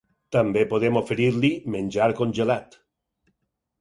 També podem oferir-li menjar congelat.